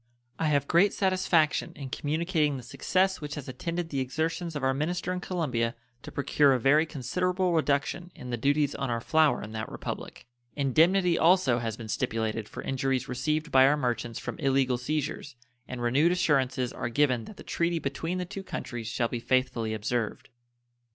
I have great satisfaction in communicating the success which has attended the exertions of our minister in Colombia to procure a very considerable reduction in the duties on our flour in that Republic. Indemnity also has been stipulated for injuries received by our merchants from illegal seizures, and renewed assurances are given that the treaty between the two countries shall be faithfully observed.